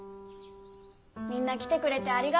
みんな来てくれてありがとう。